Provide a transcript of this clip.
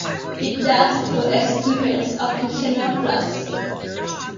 It does though experience occasional floods.